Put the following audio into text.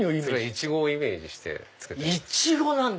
イチゴをイメージして作ってます。